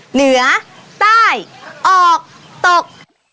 เหนือใต้ออกตก